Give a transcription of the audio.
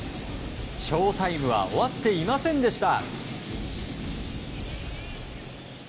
ショウタイムは終わっていませんでした。